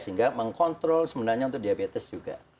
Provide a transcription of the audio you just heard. sehingga mengkontrol sebenarnya untuk diabetes juga